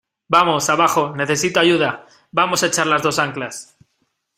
¡ vamos, abajo , necesito ayuda! ¡ vamos a echar las dos anclas !